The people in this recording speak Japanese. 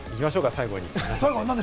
最後に。